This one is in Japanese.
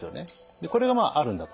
でこれがまああるんだと。